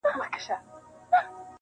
چي تر کومي اندازې مو قدر شان وو-